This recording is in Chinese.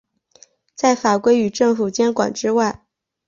在法规与政府监管之外。